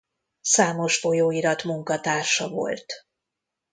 Számos folyóirat munkatársa volt.